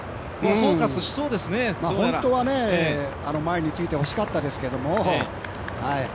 本当は前についてほしかったですけど。